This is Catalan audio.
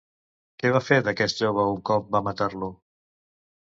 Què va ser d'aquest jove un cop va matar-lo?